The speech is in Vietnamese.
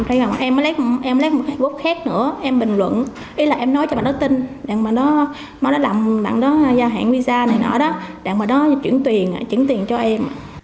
em mới lấy một cái facebook khác nữa em bình luận ý là em nói cho bạn đó tin bạn đó làm bạn đó gia hạn visa này nọ đó bạn đó chuyển tiền cho em